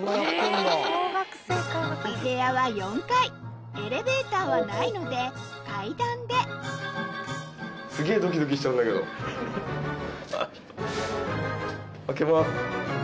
お部屋は４階エレベーターはないので開けます。